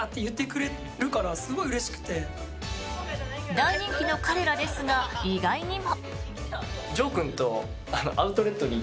大人気の彼らですが意外にも。